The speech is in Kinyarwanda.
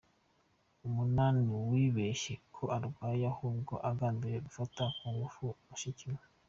Amunoni yabeshye ko arwaye ahubwo agambiriye gufata ku ngufu mushiki we.